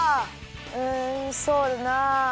うんそうだな。